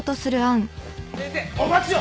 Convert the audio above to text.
先生お待ちを！